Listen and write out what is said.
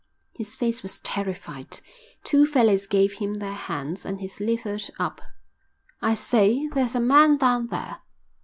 His face was terrified. Two fellows gave him their hands and he slithered up. "I say, there's a man down there."